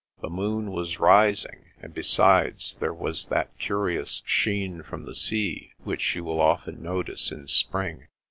The moon was rising, and besides there was that curious sheen from the sea which you will often notice in spring.